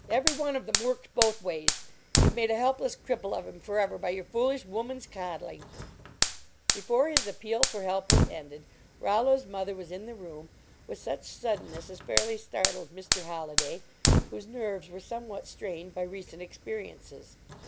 Every one of them works both ways ! You ve made a helpless cripple of him for ever by your foolish woman s coddling !" Before his appeal for lu lp was ended, Rol lo s mother was in the room, with such sud denness as fairly startled Mr. Holliday, whose 29 LEARNING TO DRESS nerves were somewhat strained by recent ex periences.